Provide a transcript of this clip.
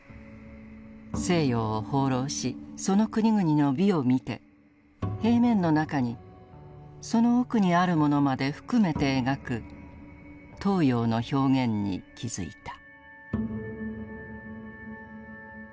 西洋を放浪しその国々の美を見て平面の中にその奥にあるものまで含めて描く東洋の表現に気づいた」。